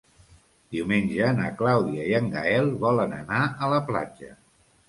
Diumenge na Clàudia i en Gaël volen anar a la platja.